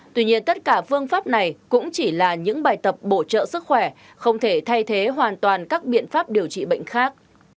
tuy nhiên tất cả phương pháp này cũng chỉ là những bài tập bổ trợ sức khỏe không thể thay thế hoàn toàn các biện pháp điều trị bệnh khác